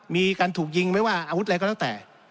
มีการถูกยิงไม่ว่าอาวุธอะไรก็แล้วแต่